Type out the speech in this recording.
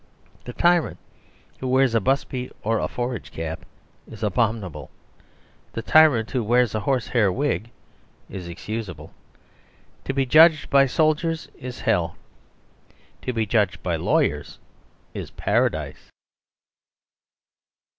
The tyrant who wears a busby or a forage cap is abominable; the tyrant who wears a horsehair wig is excusable. To be judged by soldiers is hell; but to be judged by lawyers is paradise.